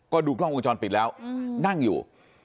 ก็ดูกล้องวงจรปิดแล้วนั่งอยู่